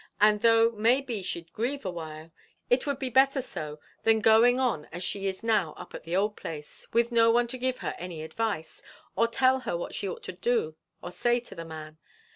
And though, maybe, she'd grieve awhile, it would be better so than going on as she is now up at the old place, with no one to give her any advice, or tell her what she ought to do or say to the man.